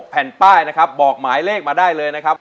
แผ่นป้ายนะครับบอกหมายเลขมาได้เลยนะครับ